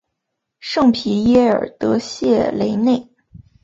圣皮耶尔德谢雷内。